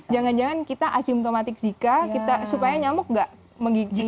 jangan jangan kita asimptomatik zika supaya nyamuk gak menggigit